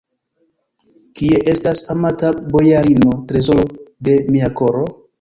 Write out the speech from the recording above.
Kie estas amata bojarino, trezoro de mia koro?